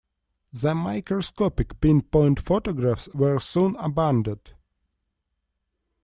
The microscopic pin-point photographs were soon abandoned.